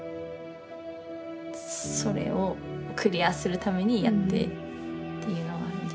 それをクリアするためにやってっていうのはある。